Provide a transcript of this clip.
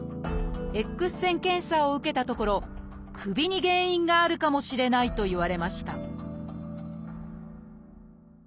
Ｘ線検査を受けたところ首に原因があるかもしれないと言われました